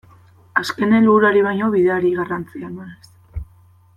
Azken helburuari baino bideari garrantzia emanez.